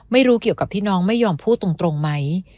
เกี่ยวกับที่น้องไม่ยอมพูดตรงไหม